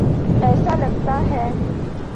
ایسا لگتا ہے۔